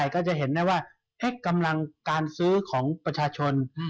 ก็จะเห็นได้ว่ากำลังการซื้อของประชาชน